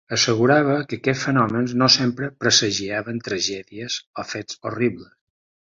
Assegurava que aquests fenòmens no sempre presagiaven tragèdies o fets horribles.